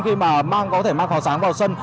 khi có thể mang pháo sáng vào sân